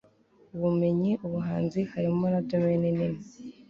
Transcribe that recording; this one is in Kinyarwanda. ubumenyi, ubuhanzi, harimo na domaine nini